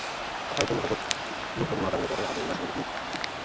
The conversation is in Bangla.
হযরত নূহ নবীর মহা প্লাবনের পরে আদে উলা সর্বপ্রথম মূর্তিপূজা আরম্ভ করে।